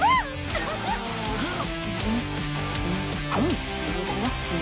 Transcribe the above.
アハハッ！